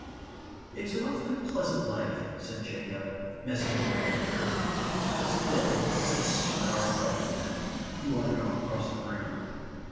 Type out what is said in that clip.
"It's an awfully pleasant life," said Jacob, "messing away up here. Still, it's a stupid art, Cruttendon." He wandered off across the room.